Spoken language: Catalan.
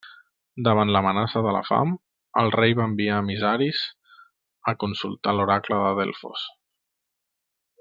Davant l'amenaça de la fam el rei va enviar emissaris a consultar l'oracle de Delfos.